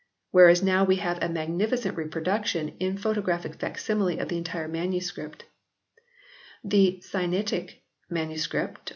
Whereas now we have a magnificent reproduction in photographic facsimile of the entire MS. The Sinaitic flS.